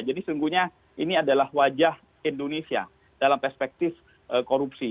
jadi sesungguhnya ini adalah wajah indonesia dalam perspektif korupsi